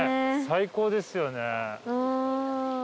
最高ですよね。